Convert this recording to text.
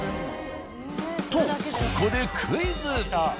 とここでクイズ。